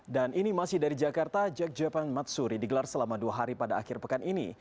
dan ini masih dari jakarta jagjapan matsuri digelar selama dua hari pada akhir pekan ini